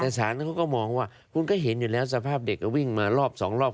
แต่สารเขาก็มองว่าคุณก็เห็นอยู่แล้วสภาพเด็กก็วิ่งมารอบสองรอบ